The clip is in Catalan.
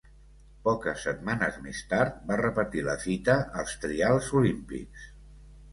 Poques setmanes més tard va repetir la fita als Trials Olímpics.